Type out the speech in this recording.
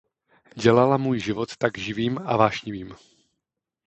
Dělala můj život tak živým a vášnivým.